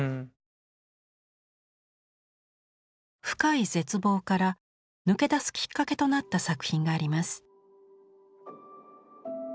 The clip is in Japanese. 深い絶望から抜け出すきっかけとなった作品があります。